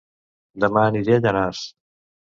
Dema aniré a Llanars